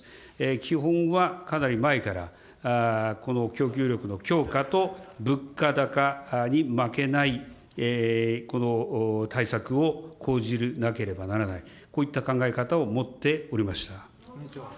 基本はかなり前から、この供給力の強化と、物価高に負けないこの対策を講じなければならない、こういった考え方を持っておりました。